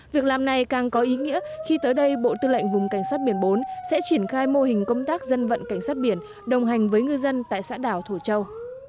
việc làm này càng có ý nghĩa khi tới đây bộ tư lệnh vùng cảnh sát biển bốn sẽ triển khai mô hình công tác dân vận cảnh sát biển đồng hành với ngư dân tại xã đảo thổ châu